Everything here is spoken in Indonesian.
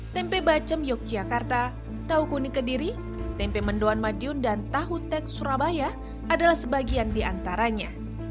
tempe bacem yogyakarta tahu kuning kediri tempe mendoan madiun dan tahu tek surabaya adalah sebagian di antaranya